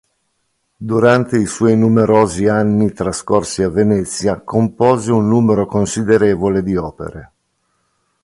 Durante i suoi numerosi anni trascorsi a Venezia compose un numero considerevole di opere.